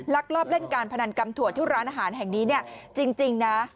ลอบเล่นการพนันกำถั่วที่ร้านอาหารแห่งนี้เนี่ยจริงนะ